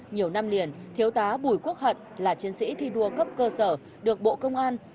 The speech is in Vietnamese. nhiều năm liền thiếu tá bùi quốc hận là chiến sĩ thi đua cấp cơ sở được bộ công an